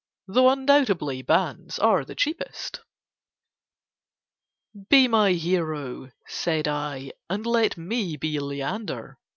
', though undoubtedly Banns are the cheapest." "Be my Hero," said I, "And let me be Leander!"